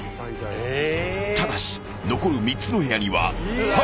［ただし残る３つの部屋にはハンター］